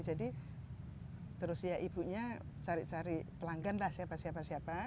jadi terus ya ibunya cari cari pelanggan lah siapa siapa